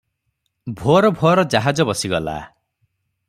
ଭୋର ଭୋର ଜାହାଜ ବସିଗଲା ।